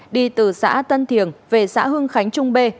đi từ xã tân thiềng về xã hưng khánh trung b